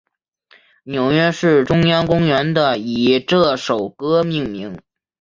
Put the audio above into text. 纽约市中央公园的以这首歌命名。